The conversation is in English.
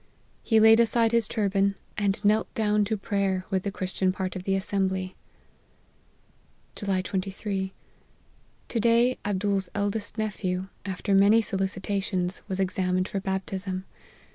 He laid aside his turban, and knelt down to prayer with the Christian part of the assembly. " July 23. To day, Abdool's eldest nephew, af ter many solicitations, was examined for baptism.